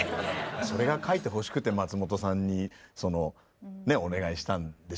それが書いてほしくて松本さんにお願いしたんでしょうね。